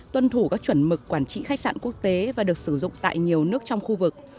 tuân thủ các chuẩn mực quản trị khách sạn quốc tế và được sử dụng tại nhiều nước trong khu vực